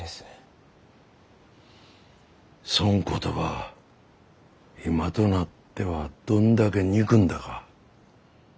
そん言葉今となってはどんだけ憎んだか。